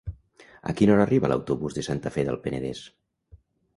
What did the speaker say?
A quina hora arriba l'autobús de Santa Fe del Penedès?